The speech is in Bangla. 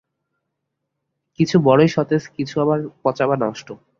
কিছু বড়ই সতেজ কিছু আবার পচা বা নষ্ট।